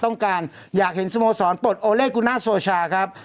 ต้องการอยากเห็นสโมสรปลดโอเลกูน่าโซชาครับ